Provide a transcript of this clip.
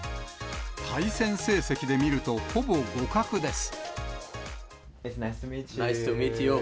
対戦成績で見ると、ほぼ互角です。